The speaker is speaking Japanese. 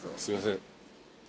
すいません。